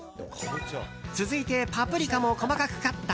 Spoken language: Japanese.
続いてパプリカも細かくカット。